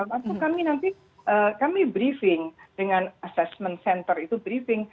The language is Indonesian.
waktu kami nanti kami briefing dengan assessment center itu briefing